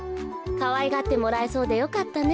かわいがってもらえそうでよかったね